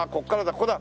ここだ！